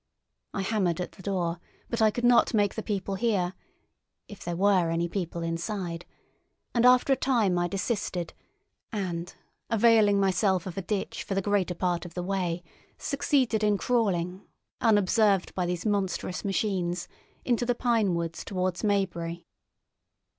I hammered at the door, but I could not make the people hear (if there were any people inside), and after a time I desisted, and, availing myself of a ditch for the greater part of the way, succeeded in crawling, unobserved by these monstrous machines, into the pine woods towards Maybury.